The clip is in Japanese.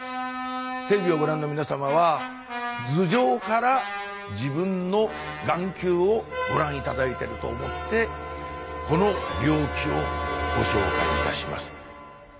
テレビをご覧の皆様は頭上から自分の眼球をご覧頂いてると思ってこの病気をご紹介いたします。